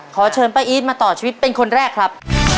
ขอเชิญป้าอีทมาต่อชีวิตเป็นคนแรกครับ